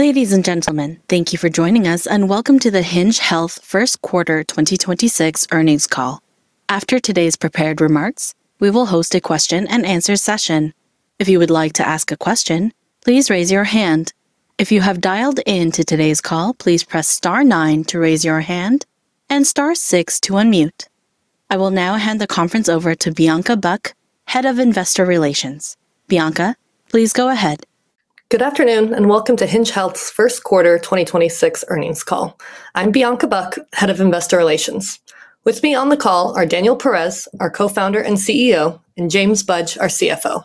Ladies and gentlemen, thank you for joining us, and welcome to the Hinge Health First Quarter 2026 earnings call. After today's prepared remarks, we will host a question and answer session. If you would like to ask a question, please raise your hand. If you have dialed in to today's call, please press star nine to raise your hand and star six to unmute. I will now hand the conference over to Bianca Buck, Head of Investor Relations. Bianca, please go ahead. Good afternoon, and welcome to Hinge Health's first quarter 2026 earnings call. I'm Bianca Buck, Head of Investor Relations. With me on the call are Daniel Perez, our Co-Founder and CEO, and James Budge, our CFO.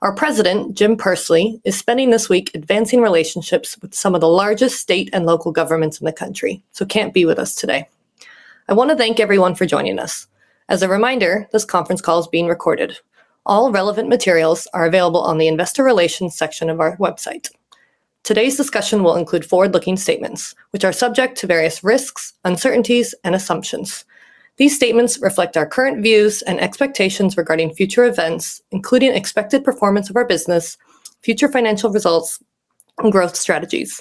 Our President, Jim Pursley, is spending this week advancing relationships with some of the largest state and local governments in the country, so can't be with us today. I wanna thank everyone for joining us. As a reminder, this conference call is being recorded. All relevant materials are available on the investor relations section of our website. Today's discussion will include forward-looking statements, which are subject to various risks, uncertainties and assumptions. These statements reflect our current views and expectations regarding future events, including expected performance of our business, future financial results, and growth strategies.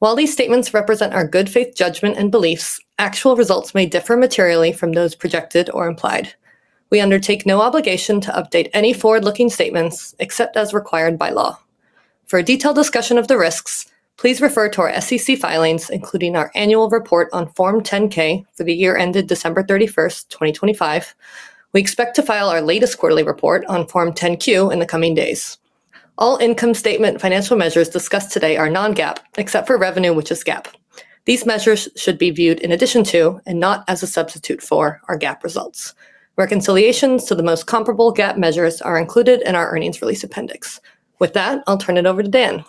While these statements represent our good faith judgment and beliefs, actual results may differ materially from those projected or implied. We undertake no obligation to update any forward-looking statements except as required by law. For a detailed discussion of the risks, please refer to our SEC filings, including our annual report on Form 10-K for the year ended December 31st, 2025. We expect to file our latest quarterly report on Form 10-Q in the coming days. All income statement financial measures discussed today are non-GAAP, except for revenue, which is GAAP. These measures should be viewed in addition to and not as a substitute for our GAAP results. Reconciliations to the most comparable GAAP measures are included in our earnings release appendix. With that, I'll turn it over to Dan.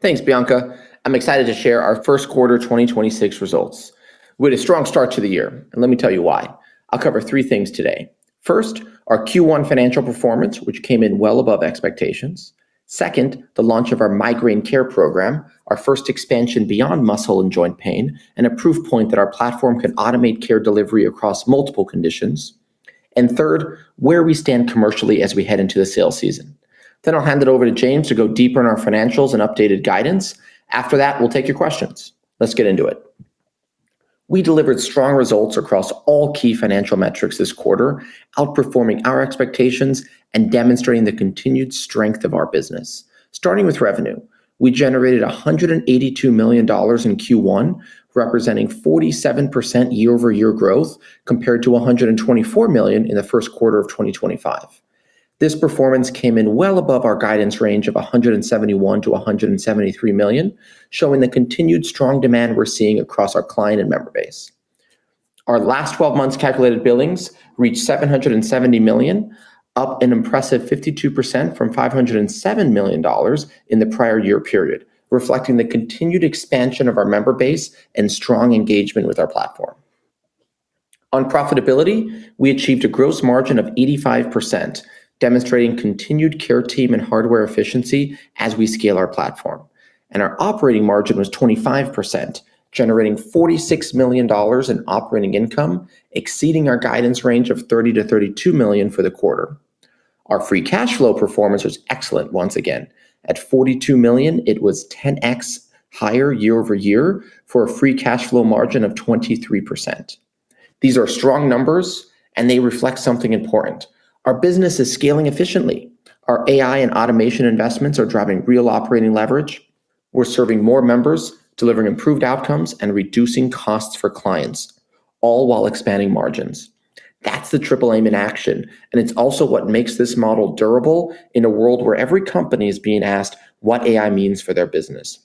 Thanks, Bianca. I'm excited to share our first quarter 2026 results. We had a strong start to the year. Let me tell you why. I'll cover three things today. First, our Q1 financial performance, which came in well above expectations. Second, the launch of Migraine Care program, our first expansion beyond muscle and joint pain, and a proof point that our platform can automate care delivery across multiple conditions. Third, where we stand commercially as we head into the sales season. I'll hand it over to James to go deeper in our financials and updated guidance. After that, we'll take your questions. Let's get into it. We delivered strong results across all key financial metrics this quarter, outperforming our expectations and demonstrating the continued strength of our business. Starting with revenue, we generated $182 million in Q1, representing 47% year-over-year growth compared to $124 million in the first quarter of 2025. This performance came in well above our guidance range of $171 million-$173 million, showing the continued strong demand we're seeing across our client and member base. Our last twelve months calculated billings reached $770 million, up an impressive 52% from $507 million in the prior year period, reflecting the continued expansion of our member base and strong engagement with our platform. On profitability, we achieved a gross margin of 85%, demonstrating continued care team and hardware efficiency as we scale our platform. Our operating margin was 25%, generating $46 million in operating income, exceeding our guidance range of $30 million-$32 million for the quarter. Our free cash flow performance was excellent once again. At $42 million, it was 10x higher year-over-year for a free cash flow margin of 23%. These are strong numbers, and they reflect something important. Our business is scaling efficiently. Our AI and automation investments are driving real operating leverage. We're serving more members, delivering improved outcomes, and reducing costs for clients, all while expanding margins. That's the triple aim in action, and it's also what makes this model durable in a world where every company is being asked what AI means for their business.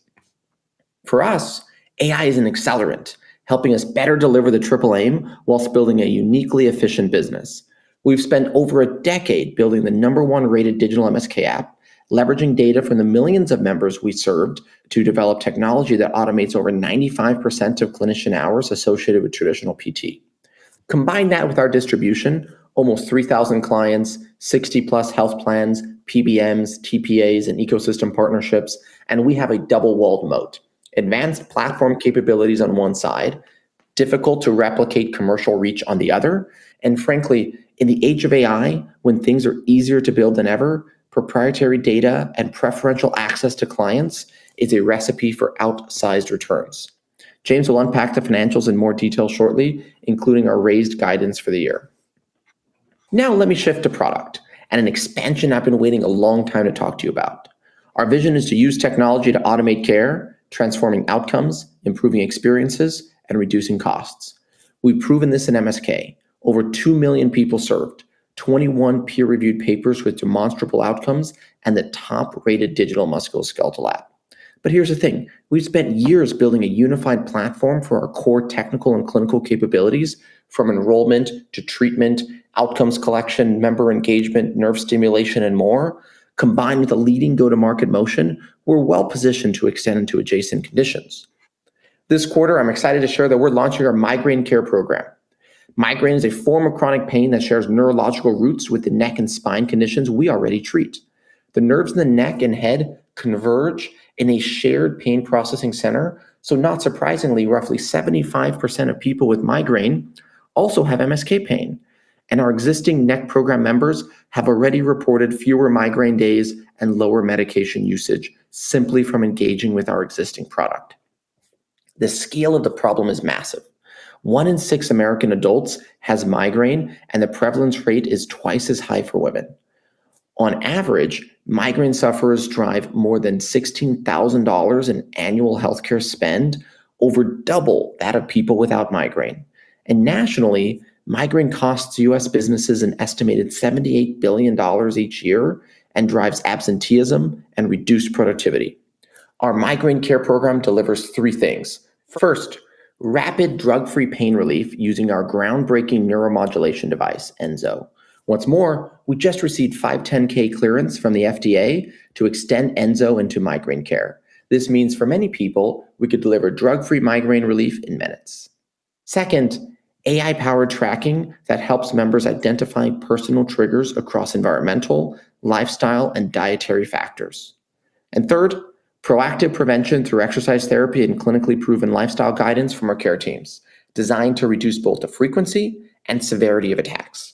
For us, AI is an accelerant, helping us better deliver the triple aim whilst building a uniquely efficient business. We've spent over a decade building the number one rated digital MSK app, leveraging data from the millions of members we served to develop technology that automates over 95% of clinician hours associated with traditional PT. Combine that with our distribution, almost 3,000 clients, 60+ health plans, PBMs, TPAs, and ecosystem partnerships, and we have a double walled moat, advanced platform capabilities on one side, difficult to replicate commercial reach on the other, and frankly, in the age of AI, when things are easier to build than ever, proprietary data and preferential access to clients is a recipe for outsized returns. James will unpack the financials in more detail shortly, including our raised guidance for the year. Let me shift to product and an expansion I've been waiting a long time to talk to you about. Our vision is to use technology to automate care, transforming outcomes, improving experiences, and reducing costs. We've proven this in MSK. Over 2 million people served, 21 peer-reviewed papers with demonstrable outcomes, and the top-rated digital musculoskeletal app. Here's the thing: We've spent years building a unified platform for our core technical and clinical capabilities from enrollment to treatment, outcomes collection, member engagement, nerve stimulation, and more. Combined with a leading go-to-market motion, we're well-positioned to extend into adjacent conditions. This quarter, I'm excited to share that we're launching Migraine Care program. migraine is a form of chronic pain that shares neurological roots with the neck and spine conditions we already treat. The nerves in the neck and head converge in a shared pain processing center, so not surprisingly, roughly 75% of people with migraine also have MSK pain. Our existing neck program members have already reported fewer migraine days and lower medication usage simply from engaging with our existing product. The scale of the problem is massive. One in six U.S. adults has migraine, and the prevalence rate is twice as high for women. On average, migraine sufferers drive more than $16,000 in annual healthcare spend, over double that of people without migraine. Nationally, migraine costs U.S. businesses an estimated $78 billion each year and drives absenteeism and reduced productivity. Migraine Care program delivers three things. First, rapid drug-free pain relief using our groundbreaking neuromodulation device, Enso. What's more, we just received 510(k) clearance from the FDA to extend Enso into Migraine Care. This means for many people, we could deliver drug-free migraine relief in minutes. AI-powered tracking that helps members identify personal triggers across environmental, lifestyle, and dietary factors. Proactive prevention through exercise therapy and clinically proven lifestyle guidance from our care teams, designed to reduce both the frequency and severity of attacks.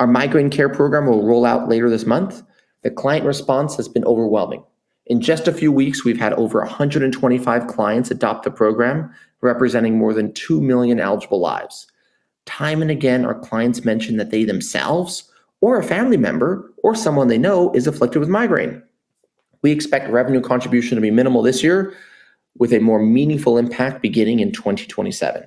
Migraine Care program will roll out later this month. The client response has been overwhelming. In just a few weeks, we've had over 125 clients adopt the program, representing more than 2 million eligible lives. Time and again, our clients mention that they themselves or a family member or someone they know is afflicted with migraine. We expect revenue contribution to be minimal this year, with a more meaningful impact beginning in 2027.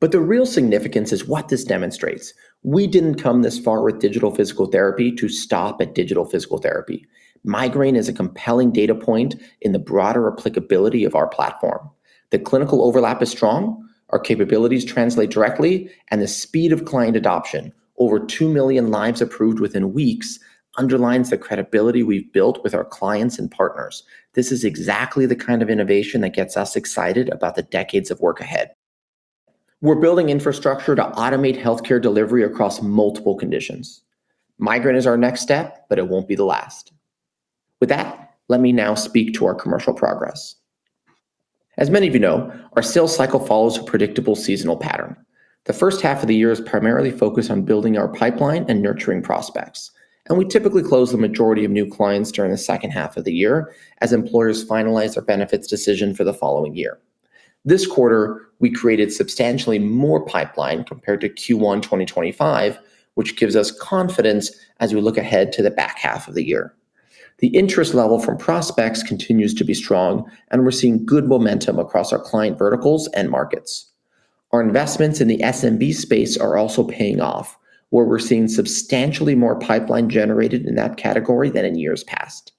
The real significance is what this demonstrates. We didn't come this far with digital physical therapy to stop at digital physical therapy. Migraine is a compelling data point in the broader applicability of our platform. The clinical overlap is strong, our capabilities translate directly, and the speed of client adoption, over 2 million lives approved within weeks, underlines the credibility we've built with our clients and partners. This is exactly the kind of innovation that gets us excited about the decades of work ahead. We're building infrastructure to automate healthcare delivery across multiple conditions. Migraine is our next step, but it won't be the last. With that, let me now speak to our commercial progress. As many of you know, our sales cycle follows a predictable seasonal pattern. The first half of the year is primarily focused on building our pipeline and nurturing prospects, and we typically close the majority of new clients during the second half of the year as employers finalize their benefits decision for the following year. This quarter, we created substantially more pipeline compared to Q1 2025, which gives us confidence as we look ahead to the back half of the year. The interest level from prospects continues to be strong, and we're seeing good momentum across our client verticals and markets. Our investments in the SMB space are also paying off, where we're seeing substantially more pipeline generated in that category than in years past.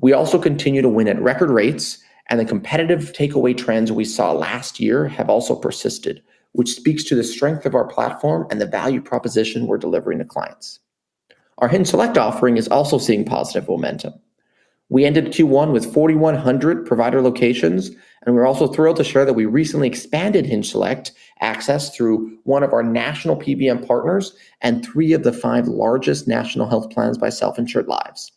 We also continue to win at record rates, and the competitive takeaway trends we saw last year have also persisted, which speaks to the strength of our platform and the value proposition we're delivering to clients. Our HingeSelect offering is also seeing positive momentum. We ended Q1 with 4,100 provider locations, and we're also thrilled to share that we recently expanded HingeSelect access through one of our national PBM partners and three of the five largest national health plans by self-insured lives.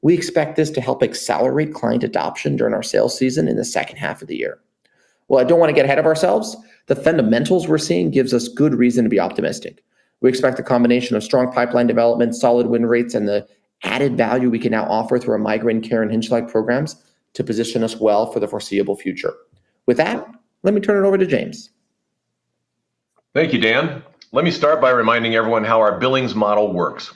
We expect this to help accelerate client adoption during our sales season in the second half of the year. While I don't want to get ahead of ourselves, the fundamentals we're seeing gives us good reason to be optimistic. We expect the combination of strong pipeline development, solid win rates, and the added value we can now offer through our Migraine Care and HingeSelect programs to position us well for the foreseeable future. With that, let me turn it over to James. Thank you, Dan. Let me start by reminding everyone how our billings model works.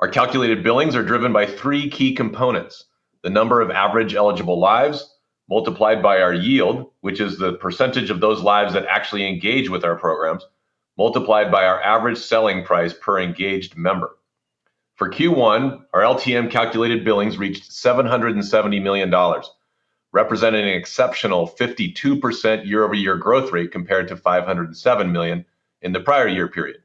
Our calculated billings are driven by three key components: the number of average eligible lives multiplied by our yield, which is the percentage of those lives that actually engage with our programs, multiplied by our average selling price per engaged member. For Q1, our LTM calculated billings reached $770 million, representing an exceptional 52% year-over-year growth rate compared to $507 million in the prior year period.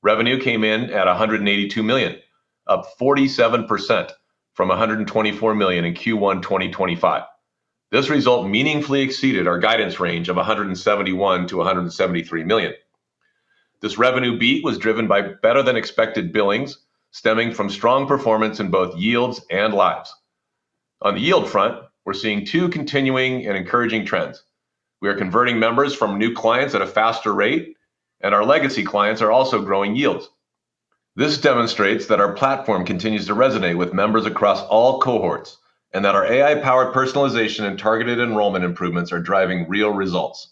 Revenue came in at $182 million, up 47% from $124 million in Q1 2025. This result meaningfully exceeded our guidance range of $171 million-$173 million. This revenue beat was driven by better-than-expected billings stemming from strong performance in both yields and lives. On the yield front, we're seeing two continuing and encouraging trends. We are converting members from new clients at a faster rate, and our legacy clients are also growing yields. This demonstrates that our platform continues to resonate with members across all cohorts and that our AI-powered personalization and targeted enrollment improvements are driving real results.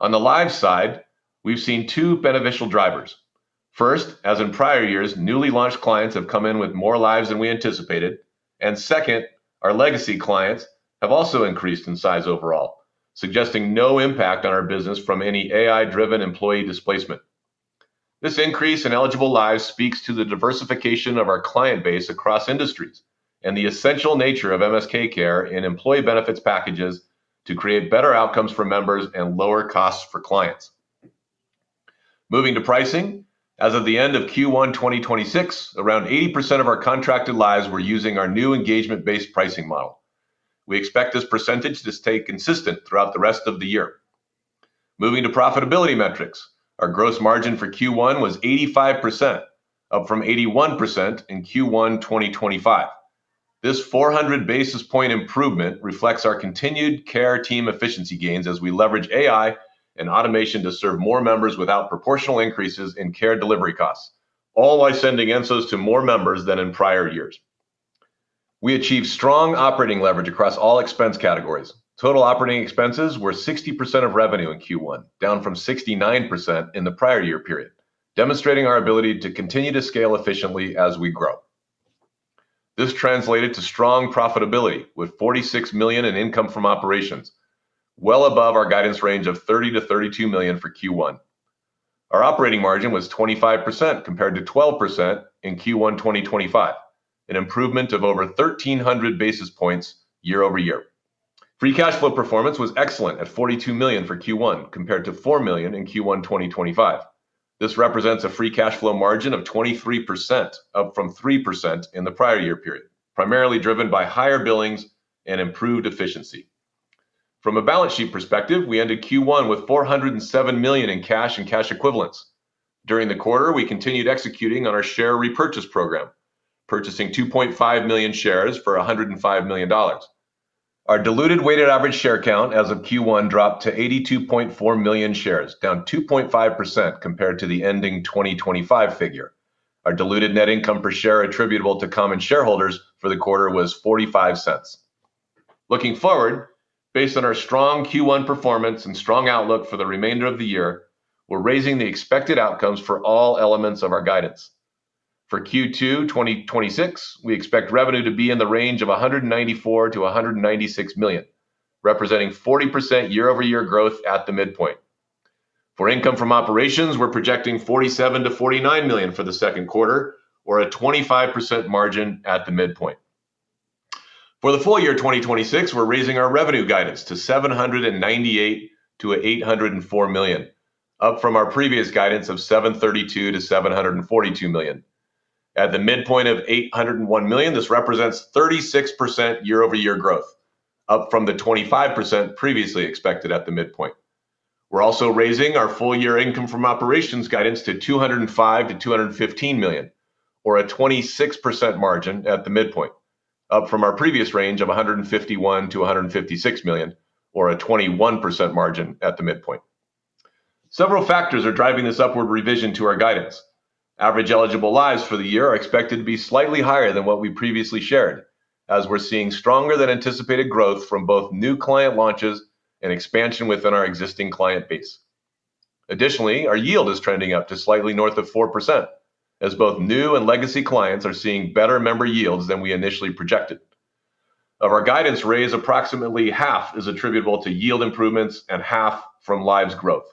On the lives side, we've seen two beneficial drivers. First, as in prior years, newly launched clients have come in with more lives than we anticipated. Second, our legacy clients have also increased in size overall, suggesting no impact on our business from any AI-driven employee displacement. This increase in eligible lives speaks to the diversification of our client base across industries and the essential nature of MSK Care and employee benefits packages to create better outcomes for members and lower costs for clients. Moving to pricing, as of the end of Q1 2026, around 80% of our contracted lives were using our new engagement-based pricing model. We expect this percentage to stay consistent throughout the rest of the year. Moving to profitability metrics, our gross margin for Q1 was 85%, up from 81% in Q1 2025. This 400 basis point improvement reflects our continued care team efficiency gains as we leverage AI and automation to serve more members without proportional increases in care delivery costs, all while sending Enso to more members than in prior years. We achieved strong operating leverage across all expense categories. Total operating expenses were 60% of revenue in Q1, down from 69% in the prior year period, demonstrating our ability to continue to scale efficiently as we grow. This translated to strong profitability with $46 million in income from operations, well above our guidance range of $30 million-$32 million for Q1. Our operating margin was 25% compared to 12% in Q1 2025, an improvement of over 1,300 basis points year over year. Free cash flow performance was excellent at $42 million for Q1 compared to $4 million in Q1 2025. This represents a free cash flow margin of 23%, up from 3% in the prior year period, primarily driven by higher billings and improved efficiency. From a balance sheet perspective, we ended Q1 with $407 million in cash and cash equivalents. During the quarter, we continued executing on our share repurchase program, purchasing 2.5 million shares for $105 million. Our diluted weighted average share count as of Q1 dropped to 82.4 million shares, down 2.5% compared to the ending 2025 figure. Our diluted net income per share attributable to common shareholders for the quarter was $0.45. Looking forward, based on our strong Q1 performance and strong outlook for the remainder of the year, we're raising the expected outcomes for all elements of our guidance. For Q2 2026, we expect revenue to be in the range of $194 million-$196 million, representing 40% year-over-year growth at the midpoint. For income from operations, we're projecting $47 million-$49 million for the second quarter or a 25% margin at the midpoint. For the full year 2026, we're raising our revenue guidance to $798 million-$804 million, up from our previous guidance of $732 million-$742 million. At the midpoint of $801 million, this represents 36% year-over-year growth, up from the 25% previously expected at the midpoint. We're also raising our full year income from operations guidance to $205 million-$215 million, or a 26% margin at the midpoint, up from our previous range of $151 million-$156 million, or a 21% margin at the midpoint. Several factors are driving this upward revision to our guidance. Average eligible lives for the year are expected to be slightly higher than what we previously shared, as we're seeing stronger than anticipated growth from both new client launches and expansion within our existing client base. Additionally, our yield is trending up to slightly north of 4% as both new and legacy clients are seeing better member yields than we initially projected. Of our guidance raise, approximately half is attributable to yield improvements and half from lives growth.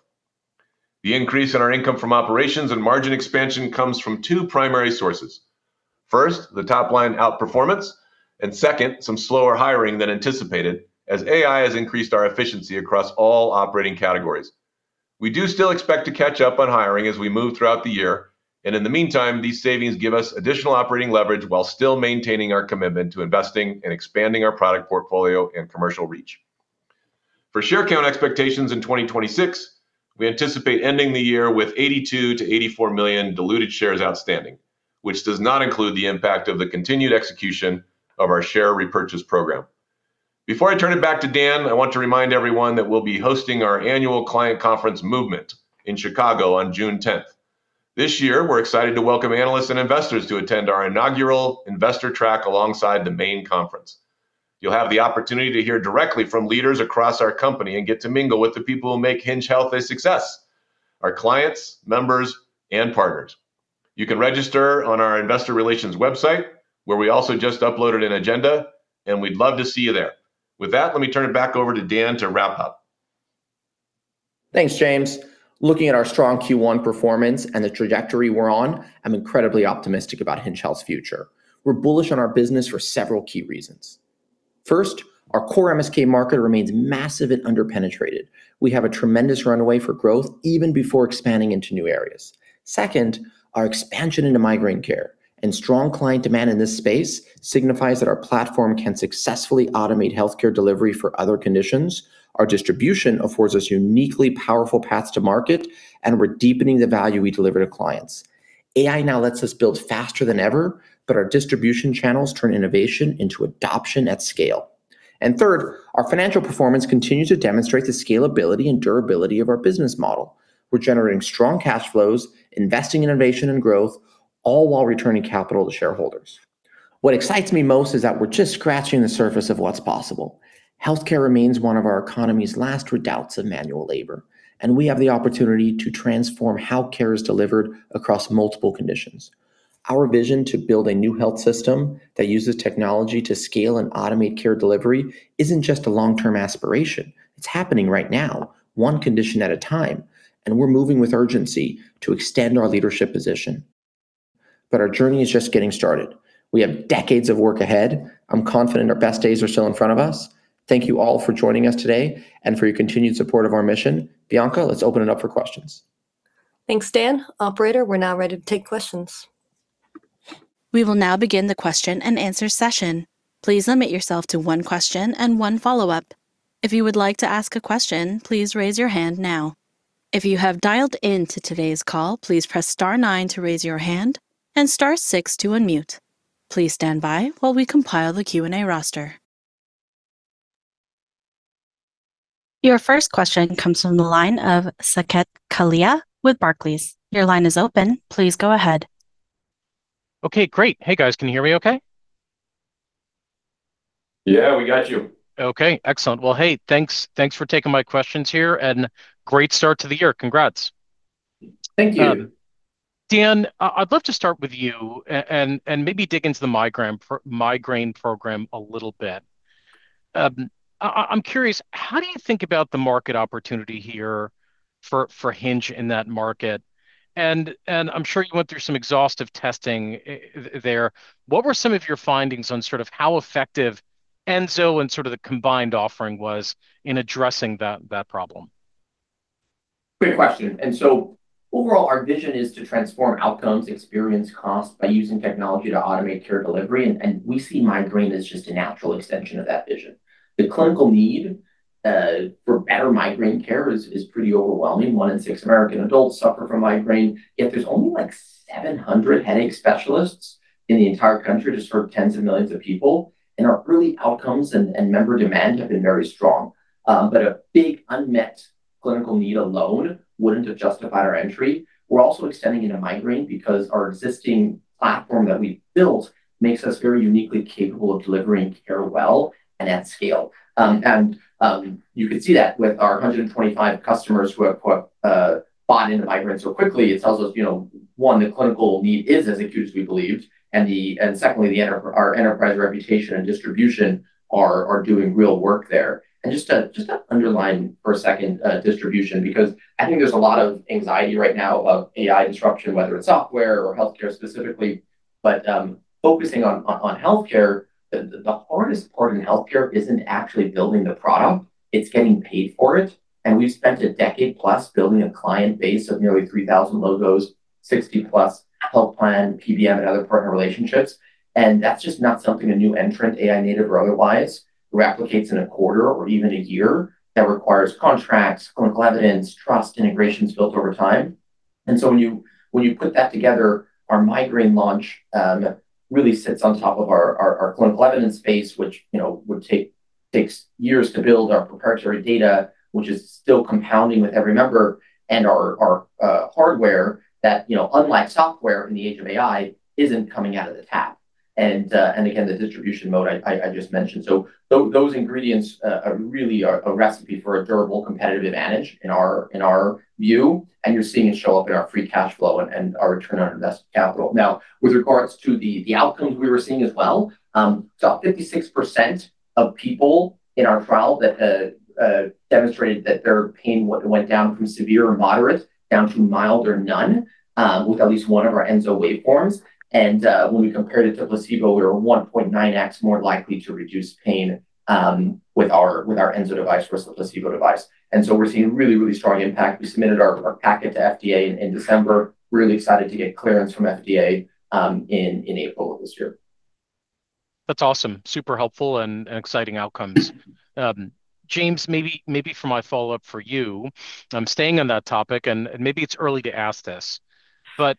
The increase in our income from operations and margin expansion comes from two primary sources. First, the top-line outperformance, and second, some slower hiring than anticipated as AI has increased our efficiency across all operating categories. We do still expect to catch up on hiring as we move throughout the year, and in the meantime, these savings give us additional operating leverage while still maintaining our commitment to investing and expanding our product portfolio and commercial reach. For share count expectations in 2026, we anticipate ending the year with 82 million-84 million diluted shares outstanding, which does not include the impact of the continued execution of our share repurchase program. Before I turn it back to Dan, I want to remind everyone that we'll be hosting our annual client conference Movement in Chicago on June 10. This year, we're excited to welcome analysts and investors to attend our inaugural investor track alongside the main conference. You'll have the opportunity to hear directly from leaders across our company and get to mingle with the people who make Hinge Health a success, our clients, members, and partners. You can register on our investor relations website, where we also just uploaded an agenda, and we'd love to see you there. With that, let me turn it back over to Dan to wrap up. Thanks, James. Looking at our strong Q1 performance and the trajectory we're on, I'm incredibly optimistic about Hinge Health's future. We're bullish on our business for several key reasons. First, our core MSK market remains massive and under-penetrated. We have a tremendous runway for growth even before expanding into new areas. Second, our expansion into Migraine Care and strong client demand in this space signifies that our platform can successfully automate healthcare delivery for other conditions. Our distribution affords us uniquely powerful paths to market, and we're deepening the value we deliver to clients. AI now lets us build faster than ever, but our distribution channels turn innovation into adoption at scale. Third, our financial performance continues to demonstrate the scalability and durability of our business model. We're generating strong cash flows, investing innovation and growth, all while returning capital to shareholders. What excites me most is that we're just scratching the surface of what's possible. Healthcare remains one of our economy's last redoubts of manual labor, and we have the opportunity to transform how care is delivered across multiple conditions. Our vision to build a new health system that uses technology to scale and automate care delivery isn't just a long-term aspiration. It's happening right now, one condition at a time, and we're moving with urgency to extend our leadership position. Our journey is just getting started. We have decades of work ahead. I'm confident our best days are still in front of us. Thank you all for joining us today and for your continued support of our mission. Bianca, let's open it up for questions. Thanks, Dan. Operator, we're now ready to take questions. We will now begin the question and answer session. Please limit yourself to one question and one follow-up. If you would like to ask a question, please raise your hand now. If you have dialed in to today's call, please press star nine to raise your hand and star six to unmute. Please stand by while we compile the Q&A roster. Your first question comes from the line of Saket Kalia with Barclays. Your line is open. Please go ahead. Okay, great. Hey, guys. Can you hear me okay? Yeah, we got you. Okay, excellent. Well, hey, thanks for taking my questions here, and great start to the year. Congrats. Thank you. Dan, I'd love to start with you and maybe dig into the Migraine Program a little bit. I'm curious, how do you think about the market opportunity here for Hinge in that market? I'm sure you went through some exhaustive testing there. What were some of your findings on sort of how effective Enso and sort of the combined offering was in addressing that problem? Great question. Overall, our vision is to transform outcomes, experience, cost by using technology to automate care delivery, and we see migraine as just a natural extension of that vision. The clinical need for better Migraine Care is pretty overwhelming. One in six American adults suffer from migraine, yet there's only, like, 700 headache specialists in the entire country to serve tens of millions of people. Our early outcomes and member demand have been very strong. A big unmet clinical need alone wouldn't have justified our entry. We're also extending into migraine because our existing platform that we've built makes us very uniquely capable of delivering care well and at scale. You could see that with our 125 customers who have bought into migraine so quickly. It tells us, you know, one, the clinical need is as acute as we believed, secondly, our enterprise reputation and distribution are doing real work there. Just to underline for a second, distribution, because I think there's a lot of anxiety right now of AI disruption, whether it's software or healthcare specifically. Focusing on healthcare, the hardest part in healthcare isn't actually building the product, it's getting paid for it. We've spent a decade plus building a client base of nearly 3,000 logos, 60+ health plan, PBM and other partner relationships. That's just not something a new entrant, AI native or otherwise, replicates in a quarter or even a year. That requires contracts, clinical evidence, trust, integrations built over time. When you put that together, our migraine launch really sits on top of our clinical evidence base, which, you know, takes years to build our proprietary data, which is still compounding with every member, and our hardware that, you know, unlike software in the age of AI, isn't coming out of the tap. Again, the distribution mode I just mentioned. Those ingredients are really a recipe for a durable competitive advantage in our view, and you're seeing it show up in our free cash flow and our return on invested capital. With regards to the outcomes we were seeing as well, 56% of people in our trial that demonstrated that their pain went down from severe or moderate down to mild or none, with at least one of our Enso waveforms. When we compared it to placebo, we were 1.9x more likely to reduce pain with our Enso device versus placebo device. We're seeing really, really strong impact. We submitted our packet to FDA in December. Really excited to get clearance from FDA in April of this year. That's awesome. Super helpful and exciting outcomes. James, maybe for my follow-up for you, I'm staying on that topic, and maybe it's early to ask this, but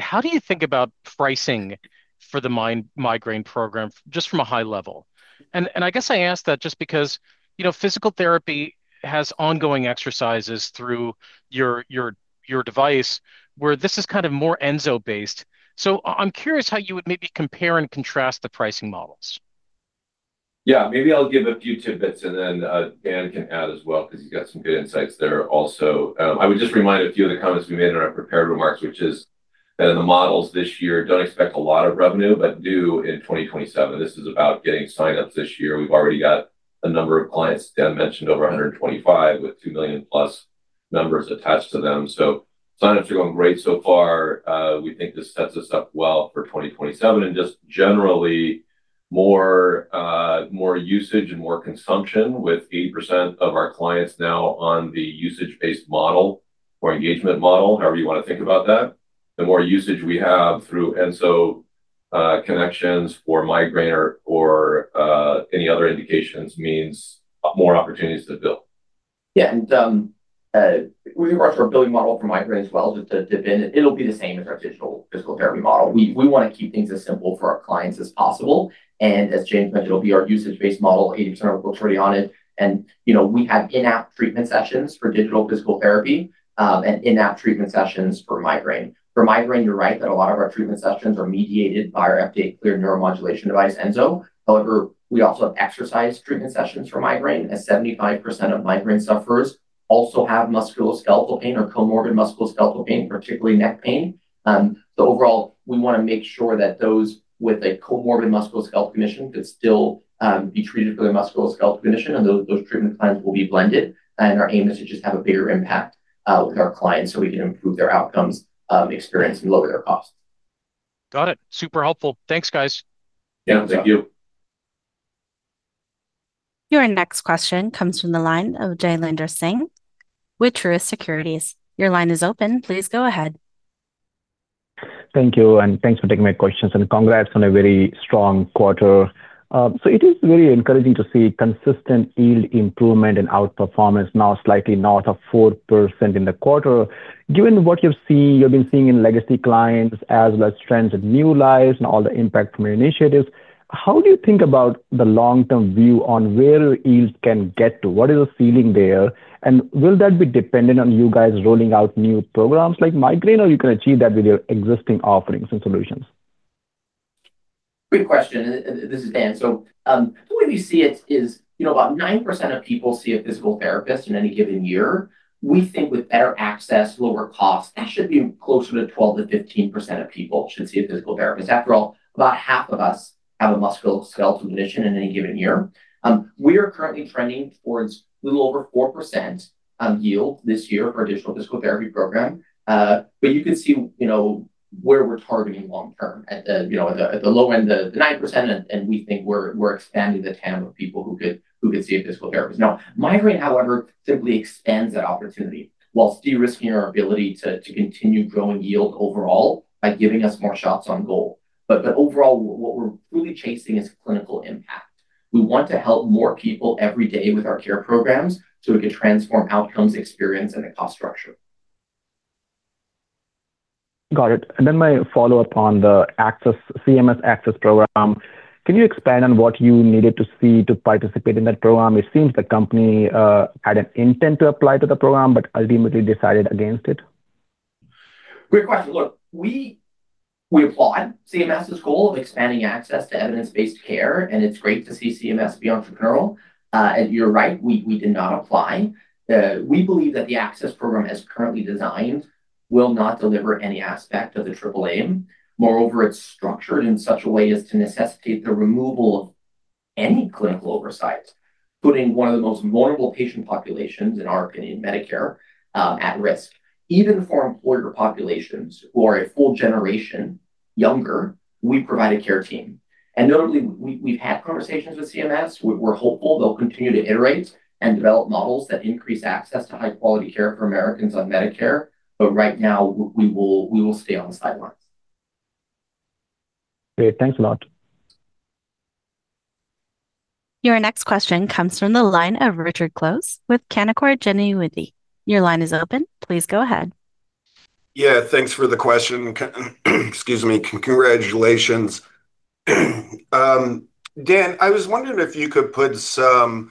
how do you think about pricing for the Migraine Program just from a high level? I guess I ask that just because, you know, physical therapy has ongoing exercises through your, your device where this is kind of more Enso based. I'm curious how you would maybe compare and contrast the pricing models. Yeah. Maybe I'll give a few tidbits, and then Dan can add as well, 'cause he's got some good insights there also. I would just remind a few of the comments we made in our prepared remarks, which is that in the models this year, don't expect a lot of revenue, but due in 2027. This is about getting signups this year. We've already got a number of clients, Dan mentioned over 125, with 2+ million members attached to them. Signups are going great so far. We think this sets us up well for 2027. Just generally more usage and more consumption with 80% of our clients now on the usage-based model or engagement model, however you wanna think about that. The more usage we have through Enso, connections for migraine or any other indications means more opportunities to build. Yeah. With regards to our billing model for migraine as well, just to dip in, it'll be the same as our digital physical therapy model. We wanna keep things as simple for our clients as possible. As James mentioned, it'll be our usage-based model, 80% of our books already on it. You know, we have in-app treatment sessions for digital physical therapy, and in-app treatment sessions for migraine. For migraine, you're right that a lot of our treatment sessions are mediated by our FDA-cleared neuromodulation device, Enso. However, we also have exercise treatment sessions for migraine, as 75% of migraine sufferers also have musculoskeletal pain or comorbid musculoskeletal pain, particularly neck pain. Overall, we wanna make sure that those with a comorbid musculoskeletal condition could still be treated for their musculoskeletal condition, and those treatment plans will be blended. Our aim is to just have a bigger impact with our clients so we can improve their outcomes, experience and lower their costs. Got it. Super helpful. Thanks, guys. Yeah. Thank you. Your next question comes from the line of Jailendra Singh with Truist Securities. Thank you, and thanks for taking my questions, and congrats on a very strong quarter. It is very encouraging to see consistent yield improvement and outperformance now slightly north of 4% in the quarter. Given what you've seen, you've been seeing in legacy clients, as well as trends in new lives and all the impact from your initiatives, how do you think about the long-term view on where yields can get to? What is the ceiling there? Will that be dependent on you guys rolling out new programs like migraine, or you can achieve that with your existing offerings and solutions? Great question. This is Dan. The way we see it is, you know, about 90% of people see a physical therapist in any given year. We think with better access, lower cost, that should be closer to 12%-15% of people should see a physical therapist. After all, about half of us have a musculoskeletal condition in any given year. We are currently trending towards a little over 4% yield this year for additional physical therapy program. You can see, you know, where we're targeting long term at the low end, the 9% and we think we're expanding the TAM of people who could see a physical therapist. Migraine, however, simply expands that opportunity while de-risking our ability to continue growing yield overall by giving us more shots on goal. Overall, what we're really chasing is clinical impact. We want to help more people every day with our care programs, we can transform outcomes, experience, and the cost structure. Got it. My follow-up on the ACCESS, CMS ACCESS Model. Can you expand on what you needed to see to participate in that program? It seems the company had an intent to apply to the program, but ultimately decided against it. Great question. Look, we applaud CMS's goal of expanding access to evidence-based care, and it's great to see CMS be entrepreneurial. You're right, we did not apply. We believe that the ACCESS program, as currently designed, will not deliver any aspect of the AAA. Moreover, it's structured in such a way as to necessitate the removal of any clinical oversight, putting one of the most vulnerable patient populations, in our opinion, Medicare, at risk. Even for employer populations who are a full generation younger, we provide a care team. Notably, we've had conversations with CMS. We're hopeful they'll continue to iterate and develop models that increase access to high-quality care for Americans on Medicare, but right now we will stay on the sidelines. Great. Thanks a lot. Your next question comes from the line of Richard Close with Canaccord Genuity. Yeah, thanks for the question. Excuse me. Congratulations. Dan, I was wondering if you could put some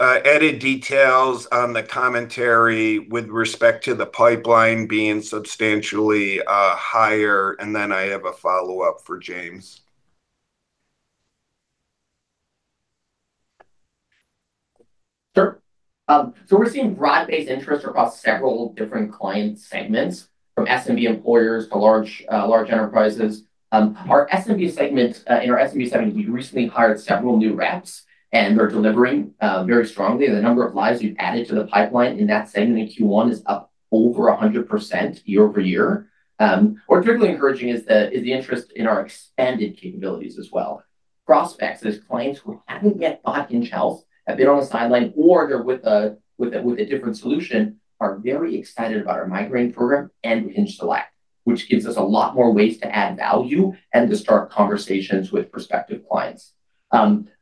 added details on the commentary with respect to the pipeline being substantially higher, and then I have a follow-up for James. Sure. We're seeing broad-based interest across several different client segments, from SMB employers to large enterprises. Our SMB segment, we recently hired several new reps, and they're delivering very strongly. The number of lives we've added to the pipeline in that segment in Q1 is up over 100% year-over-year. What's particularly encouraging is the interest in our expanded capabilities as well. Prospects as clients who haven't yet bought Hinge Health have been on the sideline or they're with a different solution, are very excited about our Migraine Program and HingeSelect, which gives us a lot more ways to add value and to start conversations with prospective clients.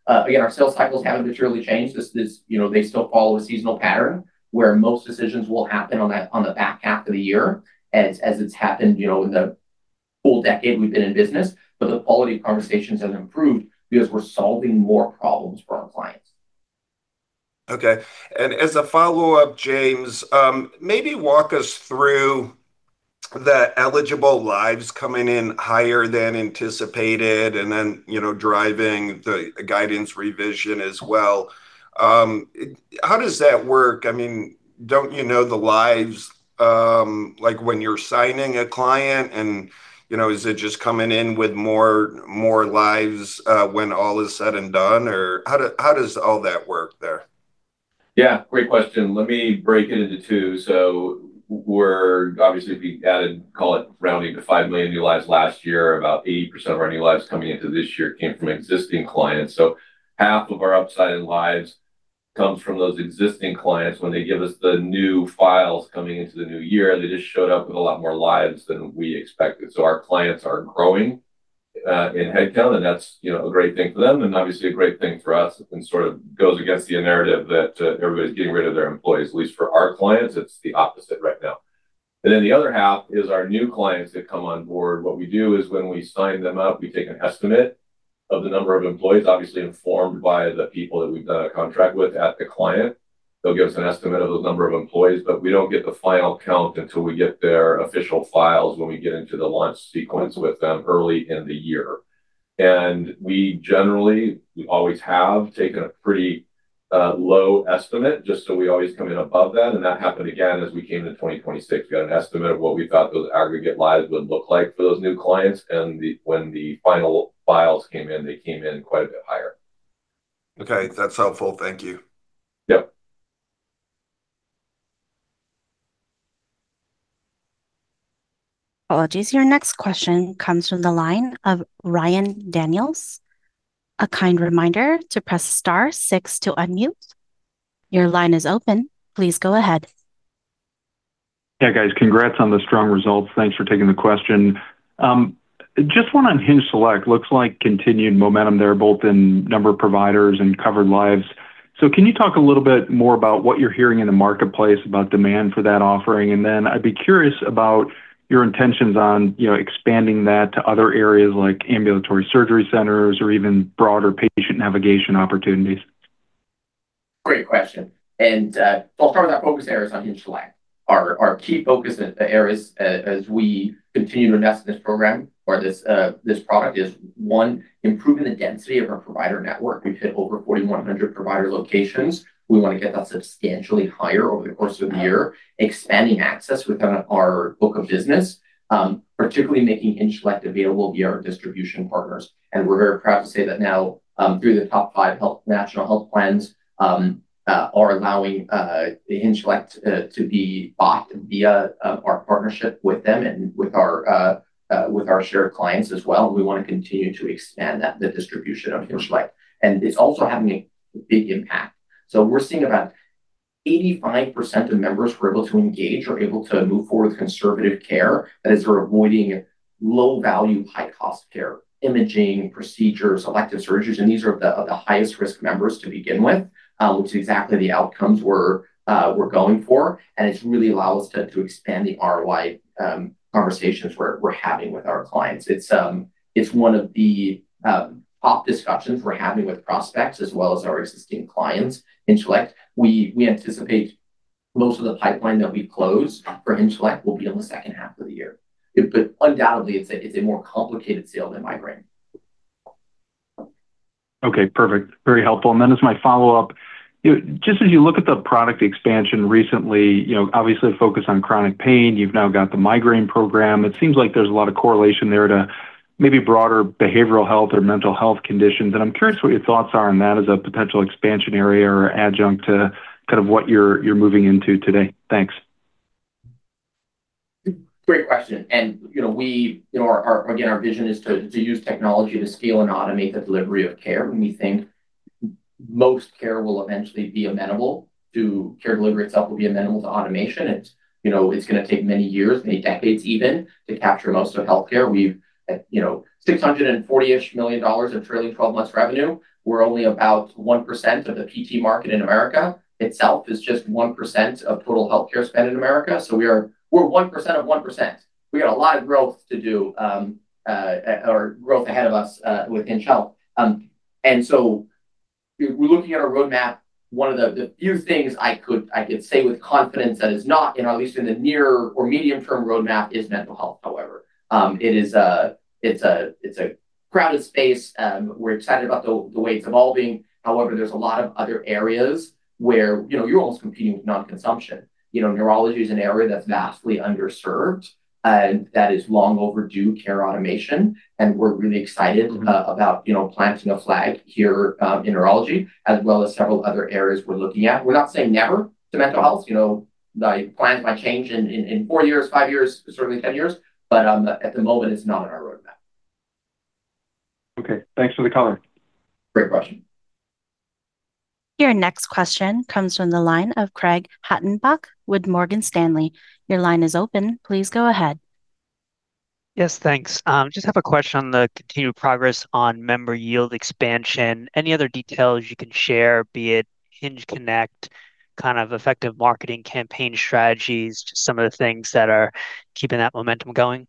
Again, our sales cycles haven't materially changed. This is, you know, they still follow a seasonal pattern, where most decisions will happen on the back half of the year as it's happened, you know, in the full decade we've been in business. The quality of conversations has improved because we're solving more problems for our clients. Okay. As a follow-up, James, maybe walk us through the eligible lives coming in higher than anticipated and then, you know, driving the guidance revision as well. How does that work? I mean, don't you know the lives, like when you're signing a client and, you know, is it just coming in with more lives, when all is said and done? Or how does all that work there? Yeah, great question. Let me break it into two. We're obviously, if you added, call it rounding to 5 million new lives last year, about 80% of our new lives coming into this year came from existing clients. Half of our upside in lives comes from those existing clients when they give us the new files coming into the new year. They just showed up with a lot more lives than we expected. Our clients are growing in headcount, and that's, you know, a great thing for them and obviously a great thing for us. Sort of goes against the narrative that everybody's getting rid of their employees. At least for our clients, it's the opposite right now. Then the other half is our new clients that come on board. What we do is when we sign them up, we take an estimate of the number of employees, obviously informed by the people that we've done a contract with at the client. They'll give us an estimate of the number of employees, but we don't get the final count until we get their official files when we get into the launch sequence with them early in the year. We generally, we always have taken a pretty low estimate, just so we always come in above that. That happened again as we came to 2026. We got an estimate of what we thought those aggregate lives would look like for those new clients, when the final files came in, they came in quite a bit higher. Okay. That's helpful. Thank you. Yep. Apologies. Your next question comes from the line of Ryan Daniels. A kind reminder to press star six to unmute. Your line is open. Please go ahead. Yeah, guys. Congrats on the strong results. Thanks for taking the question. Just one on HingeSelect. Looks like continued momentum there, both in number of providers and covered lives. Can you talk a little bit more about what you're hearing in the marketplace about demand for that offering? I'd be curious about your intentions on, you know, expanding that to other areas like ambulatory surgery centers or even broader patient navigation opportunities. Great question. I'll start with our focus areas on HingeSelect. Our key focus areas as we continue to invest in this program or this product is, one, improving the density of our provider network. We've hit over 4,100 provider locations. We wanna get that substantially higher over the course of the year. Expanding access within our book of business, particularly making HingeSelect available via our distribution partners. We're very proud to say that now, through the top five national health plans, are allowing HingeSelect to be bought via our partnership with them and with our shared clients as well. We wanna continue to expand that, the distribution of HingeSelect. It's also having a big impact. We're seeing about 85% of members who are able to engage are able to move forward with conservative care. That is, they're avoiding low-value, high-cost care, imaging, procedures, elective surgeries, and these are the highest risk members to begin with, which is exactly the outcomes we're going for, and it really allow us to expand the ROI conversations we're having with our clients. It's one of the top discussions we're having with prospects as well as our existing clients, HingeSelect. We anticipate most of the pipeline that we close for HingeSelect will be in the second half of the year. Undoubtedly, it's a more complicated sale than migraine. Okay, perfect. Very helpful. As my follow-up, you know, just as you look at the product expansion recently, you know, obviously the focus on chronic pain, you've now got the Migraine Program. It seems like there's a lot of correlation there to maybe broader behavioral health or mental health conditions, and I'm curious what your thoughts are on that as a potential expansion area or adjunct to kind of what you're moving into today. Thanks. Great question. You know, our again, our vision is to use technology to scale and automate the delivery of care, and we think most care will eventually be amenable to care delivery itself will be amenable to automation. It's, you know, it's gonna take many years, many decades even, to capture most of healthcare. We've, you know, $640-ish million of trailing 12 months revenue. We're only about 1% of the PT market in America. Itself is just 1% of total healthcare spend in America. We're 1% of 1%. We got a lot of growth to do, or growth ahead of us, within health. We're looking at our roadmap. One of the few things I could say with confidence that is not, you know, at least in the near or medium term roadmap, is mental health, however. It's a crowded space. We're excited about the way it's evolving. There's a lot of other areas where, you know, you're almost competing with non-consumption. Neurology is an area that's vastly underserved, and that is long overdue care automation, and we're really excited about, you know, planting a flag here in neurology, as well as several other areas we're looking at. We're not saying never to mental health. The plans might change in four years, five years, certainly 10 years. At the moment, it's not on our roadmap. Okay. Thanks for the color. Great question. Your next question comes from the line of Craig Hettenbach with Morgan Stanley. Your line is open. Please go ahead. Yes, thanks. Just have a question on the continued progress on member yield expansion. Any other details you can share, be it HingeConnect, kind of effective marketing campaign strategies, just some of the things that are keeping that momentum going?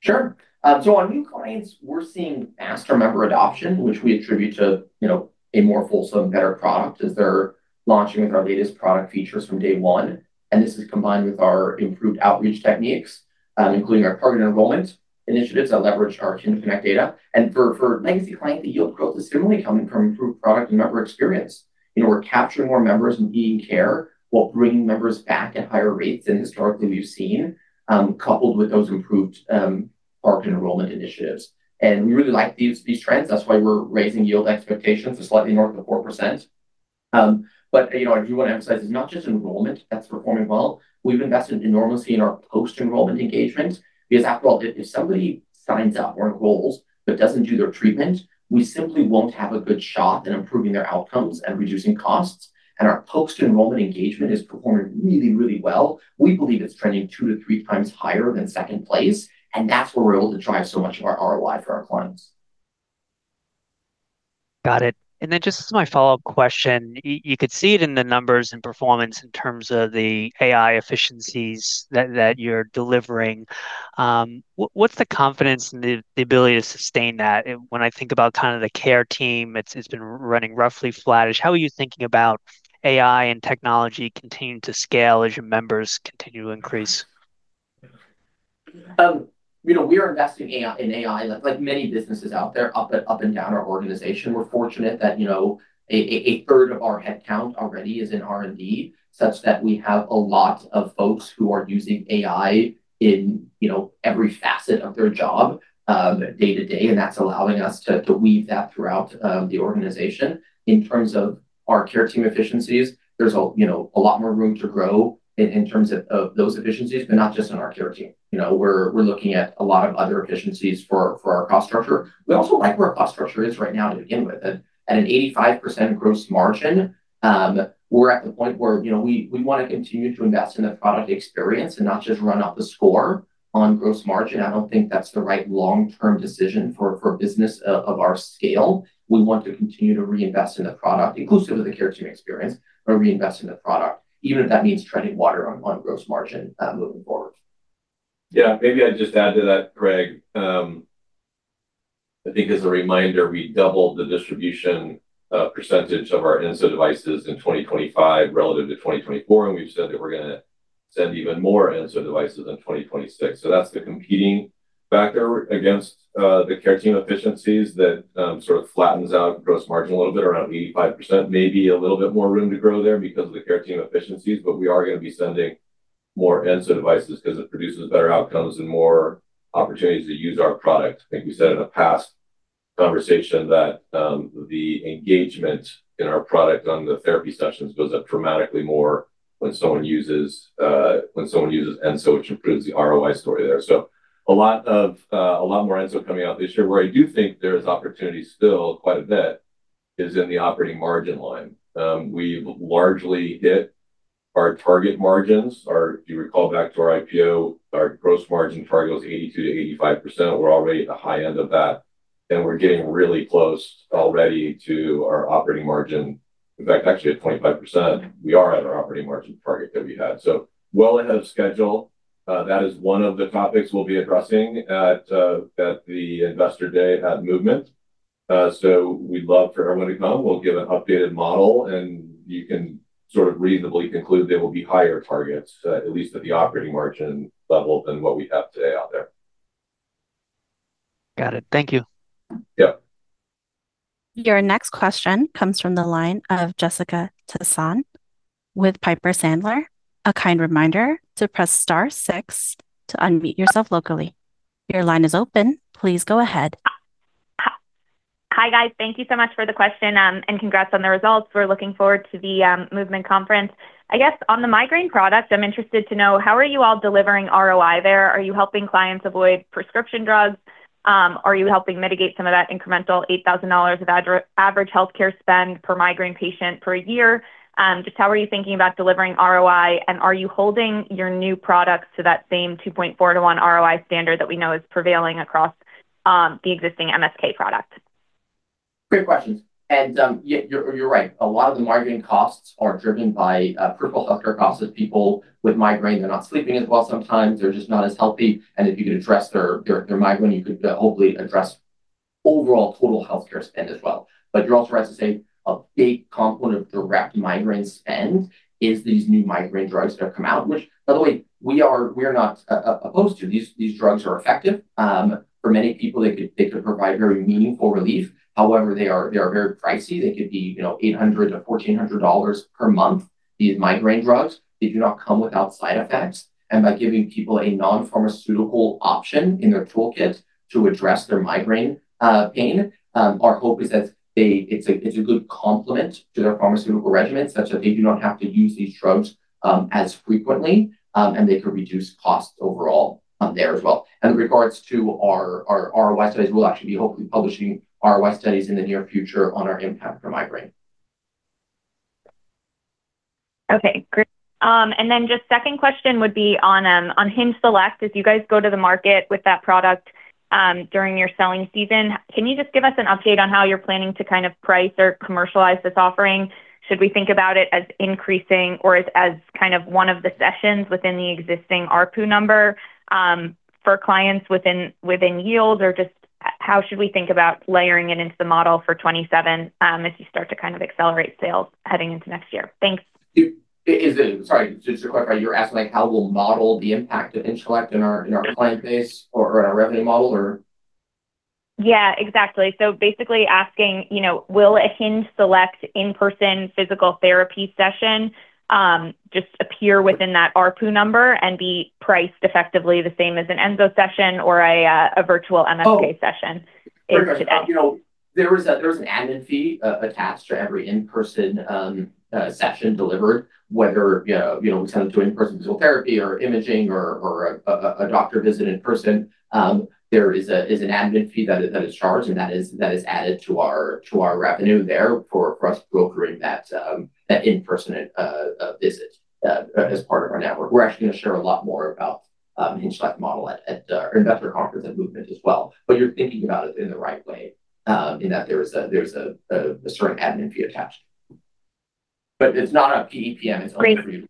Sure. On new clients, we're seeing faster member adoption, which we attribute to, you know, a more fulsome, better product as they're launching with our latest product features from day one. This is combined with our improved outreach techniques, including our targeted enrollment initiatives that leverage our HingeConnect data. For legacy clients, the yield growth is similarly coming from improved product and member experience. You know, we're capturing more members needing care while bringing members back at higher rates than historically we've seen, coupled with those improved marked enrollment initiatives. We really like these trends. That's why we're raising yield expectations to slightly north of 4%. You know, I do want to emphasize it's not just enrollment that's performing well. We've invested enormously in our post-enrollment engagement because after all, if somebody signs up or enrolls but doesn't do their treatment, we simply won't have a good shot at improving their outcomes and reducing costs. Our post-enrollment engagement is performing really, really well. We believe it's trending two to three times higher than second place, and that's where we're able to drive so much of our ROI for our clients. Got it. Just as my follow-up question, you could see it in the numbers and performance in terms of the AI efficiencies that you're delivering. What's the confidence in the ability to sustain that? When I think about kind of the care team, it's been running roughly flattish. How are you thinking about AI and technology continuing to scale as your members continue to increase? You know, we are investing in AI, like many businesses out there, up and down our organization. We're fortunate that, you know, a third of our headcount already is in R&D, such that we have a lot of folks who are using AI in, you know, every facet of their job, day-to-day, and that's allowing us to weave that throughout the organization. In terms of our care team efficiencies, there's, you know, a lot more room to grow in terms of those efficiencies, but not just on our care team. You know, we're looking at a lot of other efficiencies for our cost structure. We also like where our cost structure is right now to begin with. At an 85% gross margin, we're at the point where, you know, we wanna continue to invest in the product experience and not just run up the score on gross margin. I don't think that's the right long-term decision for a business of our scale. We want to continue to reinvest in the product, inclusive of the care team experience, but reinvest in the product, even if that means treading water on gross margin moving forward. Yeah. Maybe I'd just add to that, Craig. I think as a reminder, we doubled the distribution percentage of our Enso devices in 2025 relative to 2024. We've said that we're going to send even more Enso devices in 2026. That's the competing factor against the care team efficiencies that sort of flattens out gross margin a little bit around 85%, maybe a little bit more room to grow there because of the care team efficiencies. We are gonna be sending more Enso devices 'cause it produces better outcomes and more opportunities to use our product. I think we said in a past conversation that the engagement in our product on the therapy sessions goes up dramatically more when someone uses, when someone uses Enso, which improves the ROI story there. A lot of, a lot more Enso coming out this year. Where I do think there's opportunity still, quite a bit, is in the operating margin line. We've largely hit our target margins. If you recall back to our IPO, our gross margin target was 82%-85%. We're already at the high end of that, and we're getting really close already to our operating margin. In fact, actually at 25%, we are at our operating margin target that we had. Well ahead of schedule. That is one of the topics we'll be addressing at the Investor Day at Movement. We'd love for everyone to come. We'll give an updated model, and you can sort of reasonably conclude there will be higher targets, at least at the operating margin level than what we have today out there. Got it. Thank you. Yep. Your next question comes from the line of Jessica Tassan with Piper Sandler. A kind reminder to press star six to unmute yourself vocally. Your line is open, please go ahead. Hi, guys. Thank you so much for the question. Congrats on the results. We're looking forward to the Movement conference. I guess on the migraine product, I'm interested to know, how are you all delivering ROI there? Are you helping clients avoid prescription drugs? Are you helping mitigate some of that incremental $8,000 of average healthcare spend per migraine patient per year? Just how are you thinking about delivering ROI, and are you holding your new products to that same 2.4x to 1x ROI standard that we know is prevailing across the existing MSK product? Great questions. Yeah, you're right. A lot of the migraine costs are driven by peripheral healthcare costs of people with migraine. They're not sleeping as well sometimes. They're just not as healthy. If you could address their migraine, you could hopefully address overall total healthcare spend as well. You're also right to say a big component of direct migraine spend is these new migraine drugs that have come out, which by the way, we're not opposed to. These drugs are effective. For many people, they could provide very meaningful relief. However, they are very pricey. They could be, you know, $800-$1,400 per month, these migraine drugs. They do not come without side effects. By giving people a non-pharmaceutical option in their toolkit to address their migraine pain, our hope is that they it's a good complement to their pharmaceutical regimen, such that they do not have to use these drugs as frequently, and they could reduce costs overall on there as well. With regards to our ROI studies, we'll actually be hopefully publishing ROI studies in the near future on our impact for migraine. Okay, great. Just second question would be on HingeSelect. As you guys go to the market with that product, during your selling season, can you just give us an update on how you're planning to kind of price or commercialize this offering? Should we think about it as increasing or as kind of one of the sessions within the existing ARPU number for clients within yield? Just how should we think about layering it into the model for 2027 as you start to kind of accelerate sales heading into next year? Thanks. Sorry, just to clarify, you're asking, like, how we'll model the impact of HingeSelect in our client base or our revenue model or? Yeah, exactly. Basically asking, you know, will a HingeSelect in-person physical therapy session just appear within that ARPU number and be priced effectively the same as an Enso session or a virtual MSK session into that? You know, there is an admin fee attached to every in-person session delivered, whether, you know, we send them to in-person physical therapy or imaging or a doctor visit in person. There is an admin fee that is charged, and that is added to our revenue there for us brokering that in-person visit as part of our network. We're actually gonna share a lot more about HingeSelect model at our investor conference at Movement as well. You're thinking about it in the right way, in that there is a certain admin fee attached. It's not a PEPM, it's only- Great.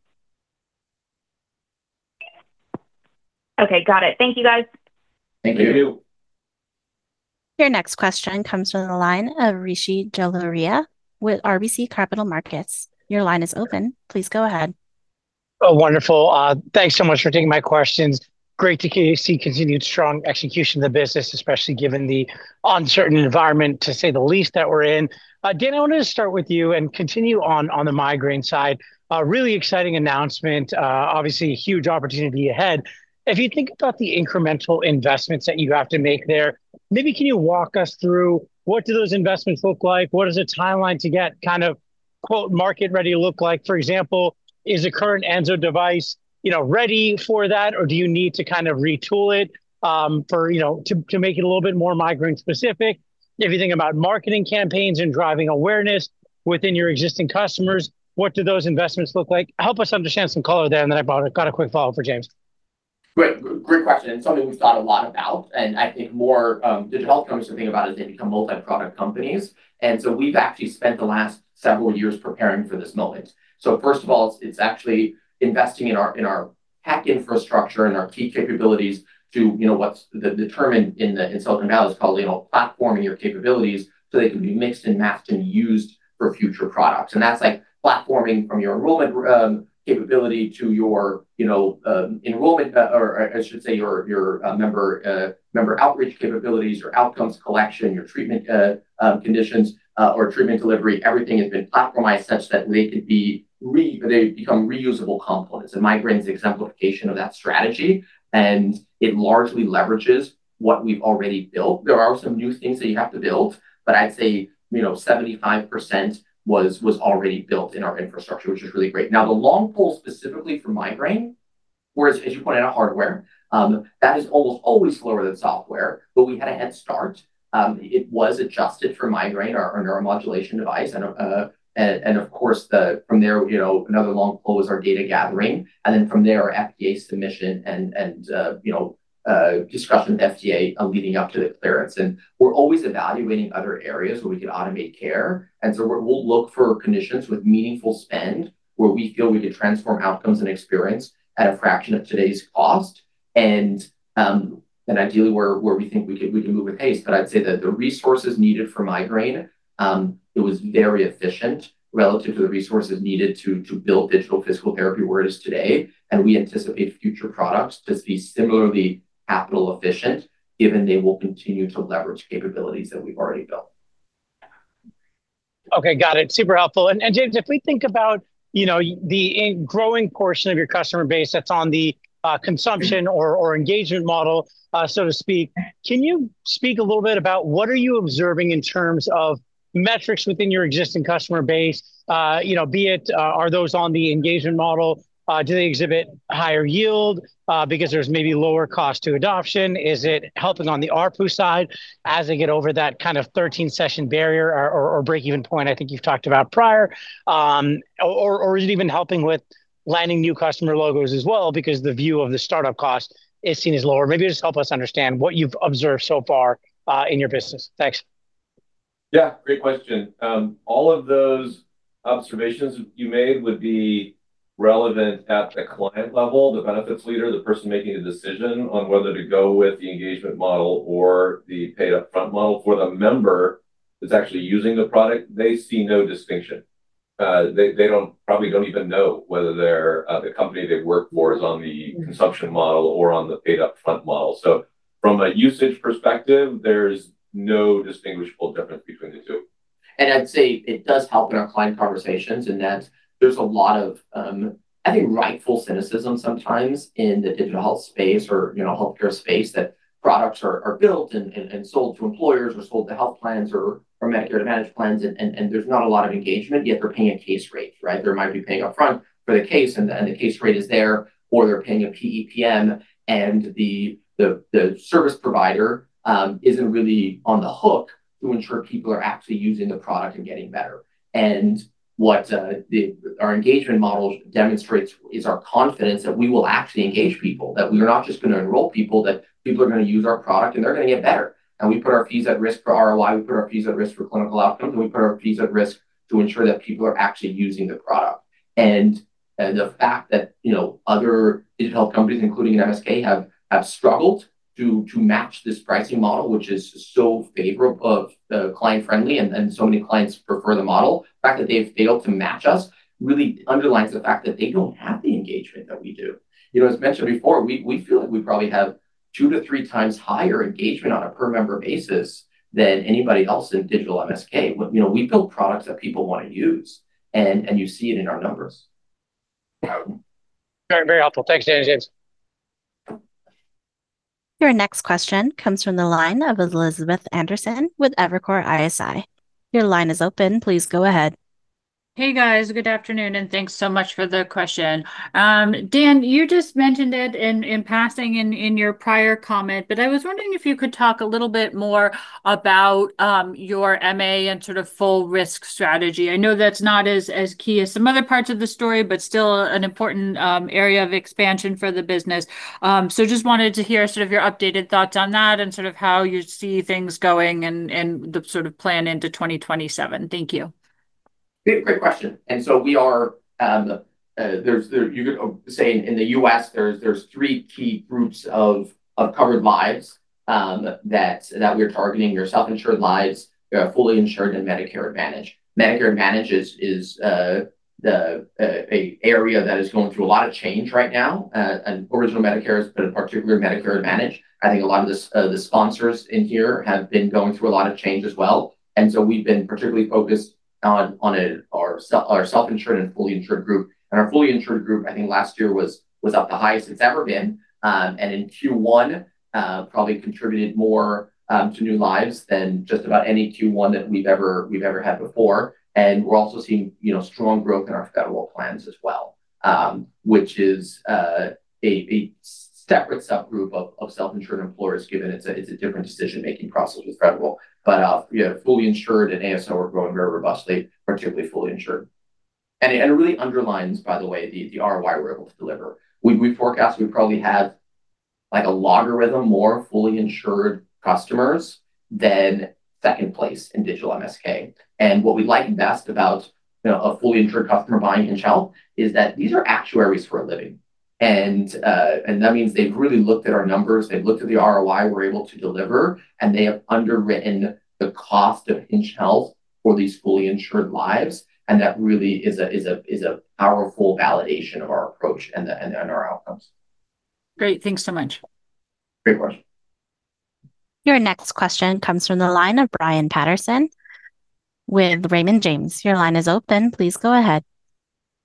Okay, got it. Thank you, guys. Thank you. Your next question comes from the line of Rishi Jaluria with RBC Capital Markets. Your line is open. Please go ahead. Wonderful. Thanks so much for taking my questions. Great to see continued strong execution of the business, especially given the uncertain environment, to say the least, that we're in. Dan, I wanted to start with you and continue on the migraine side. A really exciting announcement. Obviously a huge opportunity ahead. If you think about the incremental investments that you have to make there, maybe can you walk us through what do those investments look like? What does the timeline to get kind of quote "market ready" look like? For example, is a current Enso device, you know, ready for that, or do you need to kind of retool it, for, you know, to make it a little bit more migraine specific? If you think about marketing campaigns and driving awareness within your existing customers, what do those investments look like? Help us understand some color there, and then I got a quick follow-up for James. Great. Great question, and something we've thought a lot about, and I think more digital health companies are thinking about as they become multi-product companies. We've actually spent the last several years preparing for this moment. First of all, it's actually investing in our tech infrastructure and our key capabilities to, you know, what's determined in something now is called, you know, platforming your capabilities so they can be mixed and matched and used for future products. That's like platforming from your enrollment capability to your, you know, enrollment, or I should say your member outreach capabilities, your outcomes collection, your treatment conditions, or treatment delivery. Everything has been platformized such that they could be they become reusable components. Migraine is the exemplification of that strategy, it largely leverages what we've already built. There are some new things that you have to build, I'd say, you know, 75% was already built in our infrastructure, which is really great. The long pull specifically for migraine, whereas as you point out hardware, that is always slower than software. We had a head start, it was adjusted for migraine, our neuromodulation device. Of course from there, you know, another long pull is our data gathering. From there, our FDA submission and discussion with FDA leading up to the clearance. We're always evaluating other areas where we could automate care. We'll look for conditions with meaningful spend where we feel we could transform outcomes and experience at a fraction of today's cost. Ideally where we think we could move with haste. I'd say that the resources needed for migraine, it was very efficient relative to the resources needed to build digital physical therapy where it is today. We anticipate future products to be similarly capital efficient, given they will continue to leverage capabilities that we've already built. Okay, got it. Super helpful. James, if we think about, you know, the growing portion of your customer base that's on the consumption or engagement model, so to speak. Can you speak a little bit about what are you observing in terms of metrics within your existing customer base? You know, be it, are those on the engagement model, do they exhibit higher yield, because there's maybe lower cost to adoption? Is it helping on the ARPU side as they get over that kind of 13-session barrier or break-even point I think you've talked about prior? Or is it even helping with landing new customer logos as well because the view of the startup cost is seen as lower? Maybe just help us understand what you've observed so far in your business. Thanks. Yeah, great question. All of those observations you made would be relevant at the client level, the benefits leader, the person making the decision on whether to go with the engagement model or the paid-upfront model. For the member that's actually using the product, they see no distinction. They probably don't even know whether the company they work for is on the consumption model or on the paid-upfront model. From a usage perspective, there's no distinguishable difference between the two. I'd say it does help in our client conversations in that there's a lot of, I think rightful cynicism sometimes in the digital health space or, you know, healthcare space that products are built and sold to employers or sold to health plans or Medicare managed plans. There's not a lot of engagement, yet they're paying a case rate, right? They might be paying upfront for the case, and the case rate is there, or they're paying a PEPM, and the service provider isn't really on the hook to ensure people are actually using the product and getting better. What our engagement model demonstrates is our confidence that we will actually engage people, that we are not just gonna enroll people, that people are gonna use our product, and they're gonna get better. We put our fees at risk for ROI, we put our fees at risk for clinical outcome, and we put our fees at risk to ensure that people are actually using the product. The fact that, you know, other digital health companies, including MSK, have struggled to match this pricing model, which is so favorable of client-friendly and so many clients prefer the model. The fact that they've failed to match us really underlines the fact that they don't have the engagement that we do. You know, as mentioned before, we feel like we probably have two to three times higher engagement on a per member basis than anybody else in digital MSK. You know, we build products that people wanna use, and you see it in our numbers. Very, very helpful. Thanks, James. Your next question comes from the line of Elizabeth Anderson with Evercore ISI. Your line is open. Please go ahead. Hey, guys. Good afternoon, and thanks so much for the question. Dan, you just mentioned it in passing in your prior comment. I was wondering if you could talk a little bit more about your MA and sort of full risk strategy. I know that's not as key as some other parts of the story. Still an important area of expansion for the business. Just wanted to hear sort of your updated thoughts on that and sort of how you see things going and the sort of plan into 2027. Thank you. Great question. We are, there's you could say in the U.S. there's three key groups of covered lives that we're targeting, your self-insured lives, fully insured and Medicare Advantage. Medicare Advantage is the area that is going through a lot of change right now. Original Medicare has been a particular Medicare Advantage. I think a lot of the sponsors in here have been going through a lot of change as well. We've been particularly focused on our self-insured and fully insured group. Our fully insured group, I think last year was up the highest it's ever been. In Q1 probably contributed more to new lives than just about any Q1 that we've ever had before. We're also seeing, you know, strong growth in our federal plans as well, which is a separate subgroup of self-insured employers given it's a different decision-making process with federal. Yeah, fully insured and ASO are growing very robustly, particularly fully insured. It really underlines, by the way, the ROI we're able to deliver. We forecast we probably have like a logarithm, more fully insured customers than second place in digital MSK. What we like best about, you know, a fully insured customer buying Hinge Health is that these are actuaries for a living. That means they've really looked at our numbers, they've looked at the ROI we're able to deliver, and they have underwritten the cost of Hinge Health for these fully insured lives. That really is a powerful validation of our approach and our outcomes. Great. Thanks so much. Great question. Your next question comes from the line of Brian Peterson with Raymond James. Your line is open. Please go ahead.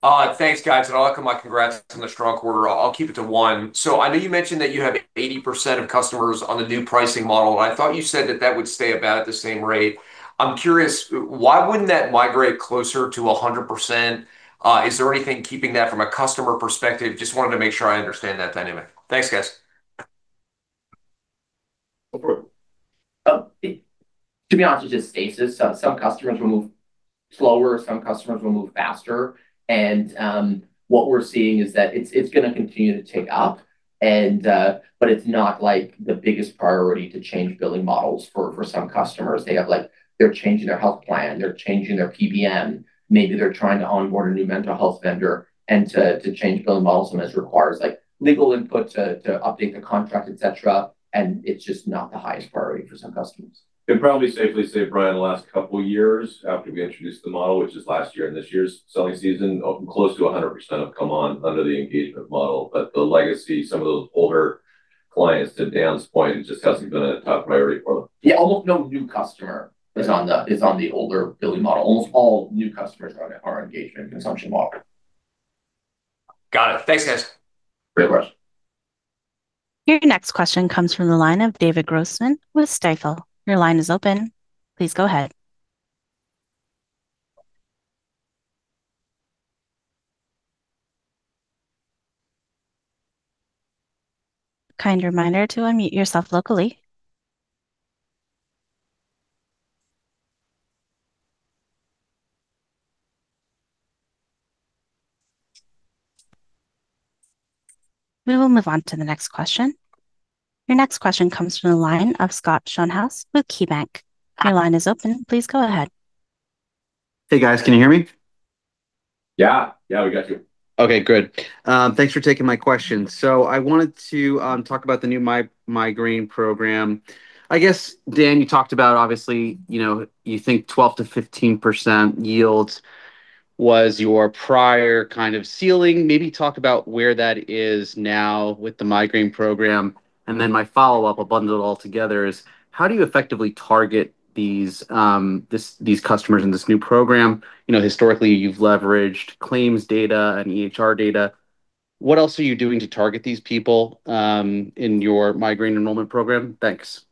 Thanks, guys, and all my congrats on the strong quarter. I'll keep it to one. I know you mentioned that you have 80% of customers on the new pricing model, and I thought you said that that would stay about at the same rate. I'm curious, why wouldn't that migrate closer to 100%? Is there anything keeping that from a customer perspective? Just wanted to make sure I understand that dynamic. Thanks, guys. To be honest, it's just status. Some customers will move slower, some customers will move faster. What we're seeing is that it's gonna continue to tick up, but it's not like the biggest priority to change billing models for some customers. They have, like, they're changing their health plan, they're changing their PBM. Maybe they're trying to onboard a new mental health vendor, and to change billing models sometimes requires, like, legal input to update the contract, et cetera. It's just not the highest priority for some customers. You can probably safely say, Brian, the last couple years after we introduced the model, which is last year and this year's selling season, close to 100% have come on under the engagement model. The legacy, some of those older clients, to Dan's point, it just hasn't been a top priority for them. Yeah, almost no new customer is on the older billing model. Almost all new customers are engaged in consumption model. Got it. Thanks, guys. Great question. Your next question comes from the line of David Grossman with Stifel. Your line is open, please go ahead. Kind reminder to unmute yourself vocally. We will move on to the next question. Your next question comes from the line of Scott Schoenhaus with KeyBank. Hey, guys, can you hear me? Yeah. Yeah, we got you. Okay, good. Thanks for taking my question. I wanted to talk about the new Migraine Program. I guess, Dan, you talked about, obviously, you know, you think 12%-15% yield was your prior kind of ceiling. Maybe talk about where that is now with the Migraine Program. My follow-up, I'll bundle it all together, is: How do you effectively target these customers in this new program? You know, historically, you've leveraged claims data and EHR data. What else are you doing to target these people in your Migraine enrollment program? Thanks.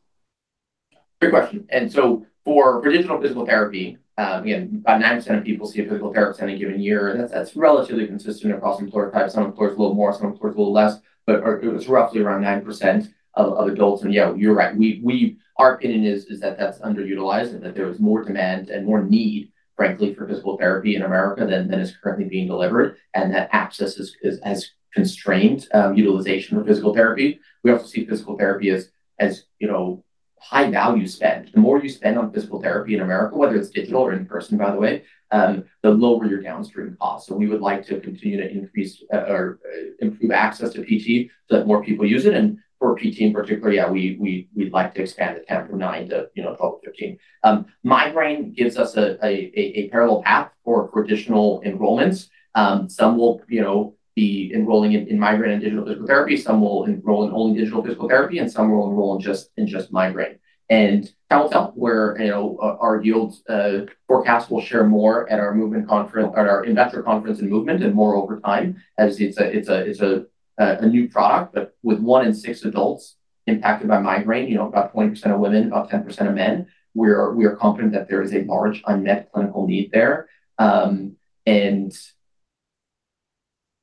Great question. For traditional physical therapy, again, about 9% of people see a physical therapist in a given year. That's relatively consistent across employer types. Some employers, a little more, some employers, a little less, but it's roughly around 9% of adults. Yeah, you're right. Our opinion is that that's underutilized and that there is more demand and more need, frankly, for physical therapy in America than is currently being delivered, and that access is as constrained utilization for physical therapy. We also see physical therapy as, you know, high-value spend. The more you spend on physical therapy in America, whether it's digital or in person, by the way, the lower your downstream cost. We would like to continue to increase or improve access to PT so that more people use it. For PT in particular, yeah, we'd like to expand the TAM from 9% to, you know, 12%-15%. Migraine gives us a parallel path for traditional enrollments. Some will, you know, be enrolling in Migraine and digital physical therapy, some will enroll in only digital physical therapy, and some will enroll in just Migraine. Time will tell where, you know, our yields forecast, we'll share more at our investor conference in Movement and more over time. As it's a new product. With one in six adults impacted by migraine, you know, about 20% of women, about 10% of men, we are confident that there is a large unmet clinical need there.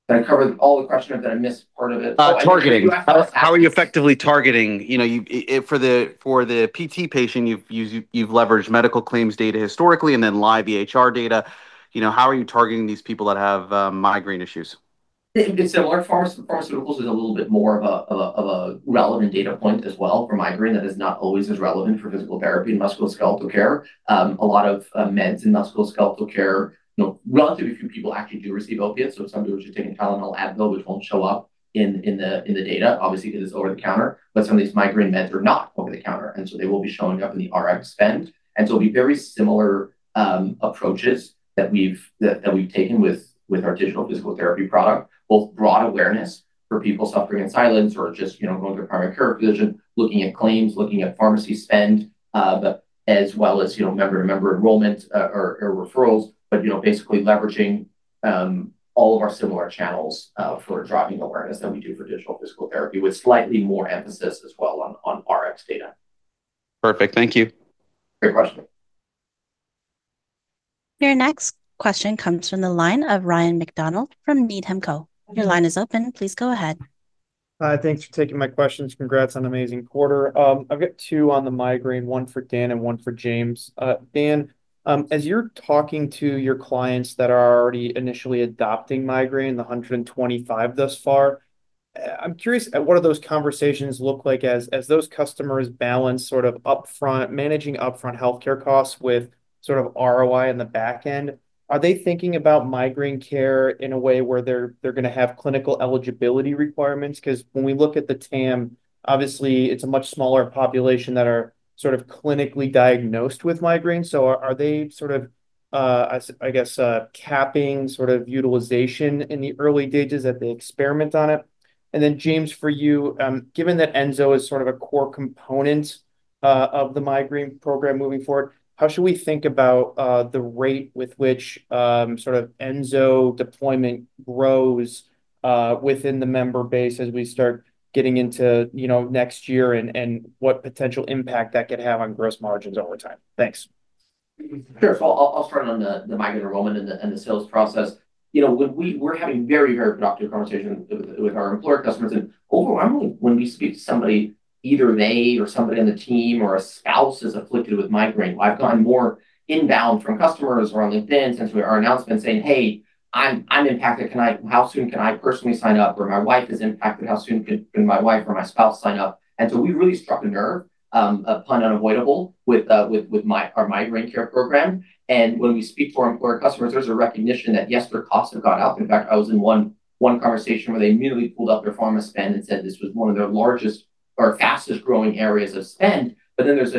Did I cover all the question or did I miss part of it? Targeting. How are you effectively targeting? You know, for the PT patient, you've leveraged medical claims data historically and then live EHR data. You know, how are you targeting these people that have migraine issues? It's similar. Pharmaceuticals is a little bit more of a relevant data point as well for migraine that is not always as relevant for physical therapy and musculoskeletal care. A lot of meds in musculoskeletal care, you know, relatively few people actually do receive opiates, so some people are just taking Tylenol and Advil, which won't show up in the data. Obviously, it is over-the-counter, but some of these migraine meds are not over-the-counter, and so they will be showing up in the RX spend. It'll be very similar approaches that we've taken with our digital physical therapy product, both broad awareness for people suffering in silence or just, you know, going to a primary care physician, looking at claims, looking at pharmacy spend, as well as, you know, member to member enrollment or referrals. You know, basically leveraging all of our similar channels for driving awareness that we do for digital physical therapy with slightly more emphasis as well on RX data. Perfect. Thank you. Great question. Your next question comes from the line of Ryan MacDonald from Needham & Co. Your line is open. Please go ahead. Thanks for taking my questions. Congrats on an amazing quarter. I've got two on the migraine, one for Dan and one for James. Dan, as you're talking to your clients that are already initially adopting migraine, the 125 thus far, I'm curious at what are those conversations look like as those customers balance sort of upfront, managing upfront healthcare costs with sort of ROI in the back end. Are they thinking about Migraine Care in a way where they're gonna have clinical eligibility requirements? 'Cause when we look at the TAM, obviously it's a much smaller population that are sort of clinically diagnosed with migraine. Are they sort of, I guess, capping sort of utilization in the early stages as they experiment on it? James, for you, given that Enso is sort of a core component of the Migraine Program moving forward, how should we think about the rate with which sort of Enso deployment grows within the member base as we start getting into, you know, next year and what potential impact that could have on gross margins over time? Thanks. I'll start on the migraine enrollment and the sales process. You know, when we're having very productive conversation with our employer customers. Overwhelmingly, when we speak to somebody, either they or somebody on the team or a spouse is afflicted with migraine. I've gotten more inbound from customers who are on LinkedIn since our announcement saying, "Hey, I'm impacted. How soon can I personally sign up?" Or, "My wife is impacted. How soon can my wife or my spouse sign up?" We really struck a nerve, a pun unavoidable, with Migraine Care program. when we speak to our employer customers, there's a recognition that, yes, their costs have gone up. In fact, I was in one conversation where they immediately pulled up their pharma spend and said this was one of their largest or fastest growing areas of spend. There's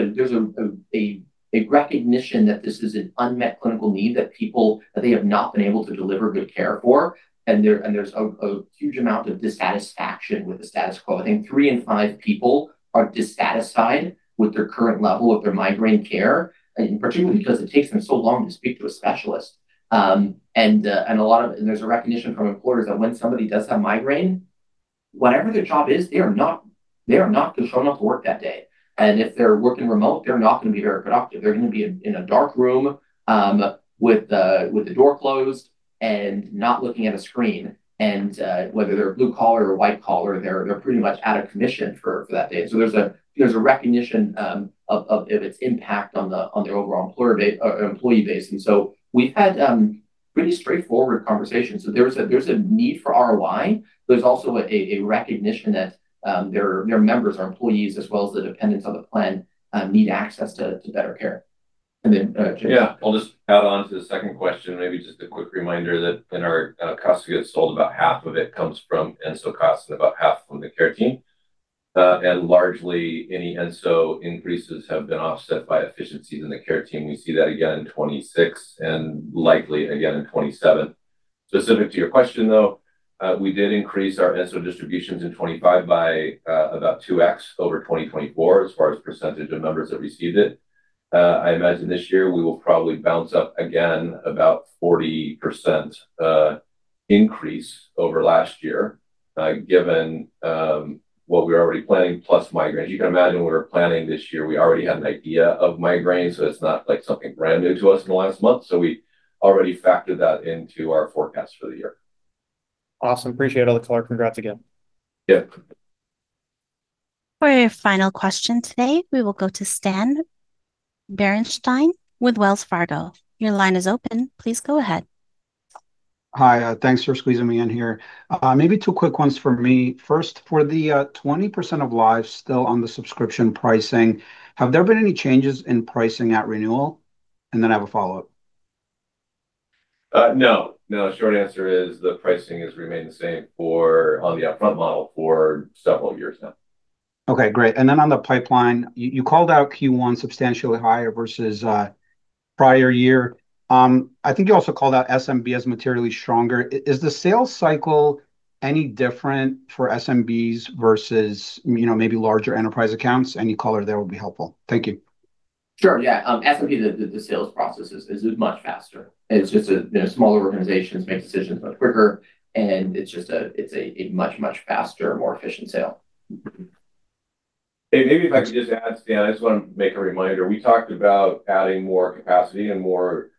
a recognition that this is an unmet clinical need that they have not been able to deliver good care for. There's a huge amount of dissatisfaction with the status quo. I think three in five people are dissatisfied with their current level of their Migraine Care, in particular because it takes them so long to speak to a specialist. There's a recognition from employers that when somebody does have migraine, whatever their job is, they are not gonna show up to work that day. If they're working remote, they're not gonna be very productive. They're gonna be in a dark room, with the door closed and not looking at a screen. Whether they're blue collar or white collar, they're pretty much out of commission for that day. There's a recognition of its impact on their overall employer or employee base. We've had pretty straightforward conversations. There is a need for ROI. There's also a recognition that their members or employees as well as the dependents on the plan, need access to better care. James. Yeah. I'll just add on to the second question, maybe just a quick reminder that when our cost of goods sold, about half of it comes from Enso cost and about half from the care team. Largely, any Enso increases have been offset by efficiencies in the care team. We see that again in 2026 and likely again in 2027. Specific to your question, though, we did increase our Enso distributions in 2025 by about 2x over 2024 as far as percentage of members that received it. I imagine this year we will probably bounce up again about 40% increase over last year, given what we're already planning plus migraines. You can imagine when we're planning this year, we already had an idea of migraines, it's not like something brand new to us in the last month. We already factored that into our forecast for the year. Awesome. Appreciate all the color. Congrats again. Yeah. For your final question today, we will go to Stan Berenshteyn with Wells Fargo. Your line is open. Please go ahead. Hi, thanks for squeezing me in here. Maybe two quick ones for me. First, for the 20% of lives still on the subscription pricing, have there been any changes in pricing at renewal? I have a follow-up. No. No. Short answer is the pricing has remained the same for on the upfront model for several years now. Okay, great. On the pipeline, you called out Q1 substantially higher versus prior year. I think you also called out SMB as materially stronger. Is the sales cycle any different for SMBs versus, you know, maybe larger enterprise accounts? Any color there will be helpful. Thank you. Sure, yeah. SMB, the sales process is much faster. It's just that, you know, smaller organizations make decisions much quicker, and it's just a much faster, more efficient sale. Hey, maybe if I could just add, Stan. I just want to make a reminder. We talked about adding more capacity and more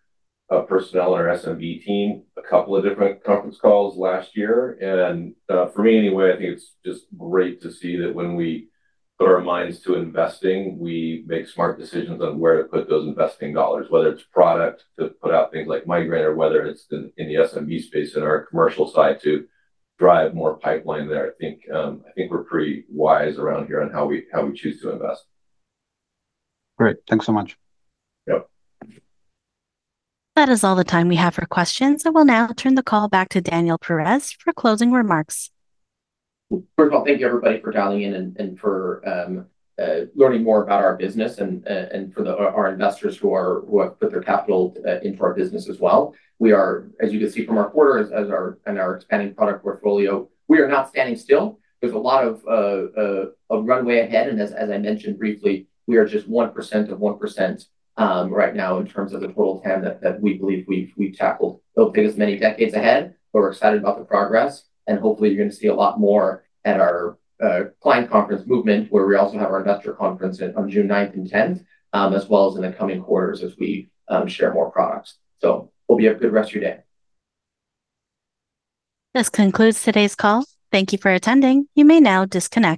personnel on our SMB team a couple of different conference calls last year. For me anyway, I think it's just great to see that when we put our minds to investing, we make smart decisions on where to put those investing dollars, whether it's product to put out things like migraine or whether it's in the SMB space in our commercial side to drive more pipeline there. I think I think we're pretty wise around here on how we, how we choose to invest. Great. Thanks so much. Yep. That is all the time we have for questions. I will now turn the call back to Daniel Perez for closing remarks. First of all, thank you, everybody, for dialing in and for learning more about our business and for our investors who have put their capital into our business as well. We are, as you can see from our quarters, and our expanding product portfolio, we are not standing still. There's a lot of runway ahead. As I mentioned briefly, we are just 1% of 1% right now in terms of the total TAM that we believe we've tackled. It'll take us many decades ahead, but we're excited about the progress. Hopefully you're gonna see a lot more at our client conference Movement, where we also have our investor conference on June 9th and 10th, as well as in the coming quarters as we share more products. Hope you have a good rest of your day. This concludes today's call. Thank you for attending. You may now disconnect.